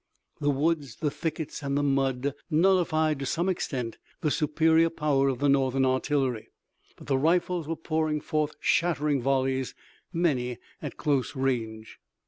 The woods, the thickets and the mud nullified to some extent the superior power of the Northern artillery, but the rifles were pouring forth shattering volleys, many at close range.